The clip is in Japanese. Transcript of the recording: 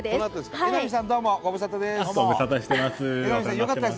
榎並さん、どうもご無沙汰です。